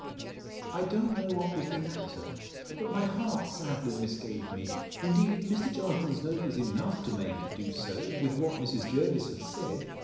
I don't know what was the matter, but my heart sadly misgave me: Indeed, Mr. Jonathan's note was enough to make it do so, with what Mrs. Jervis had said.